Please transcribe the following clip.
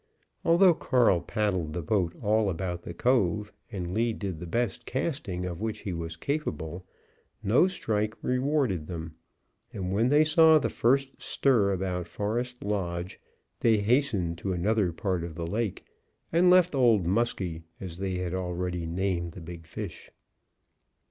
Although Carl paddled the boat all about the cove, and Lee did the best casting of which he was capable, no strike rewarded them; and when they saw the first stir about Forest Lodge, they hastened to another part of the lake, and left Old Muskie, as they had already named the big fish.